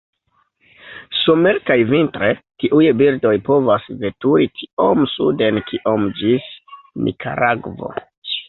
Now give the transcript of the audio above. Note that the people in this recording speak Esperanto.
Somere kaj vintre, tiuj birdoj povas veturi tiom suden kiom ĝis Nikaragvo.